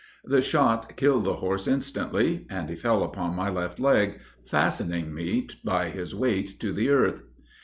The shot killed the horse instantly, and he fell upon my left leg, fastening me by his weight to the earth.